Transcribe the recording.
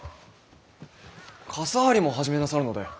傘張りも始めなさるので？